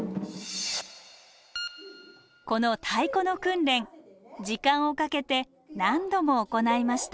この太鼓の訓練時間をかけて何度も行いました。